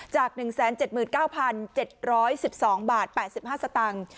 จาก๑๗๙๗๑๒บาท๘๕สตางค์